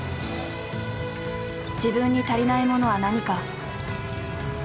自分に足りないものは何か。